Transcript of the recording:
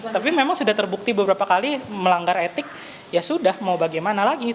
tapi memang sudah terbukti beberapa kali melanggar etik ya sudah mau bagaimana lagi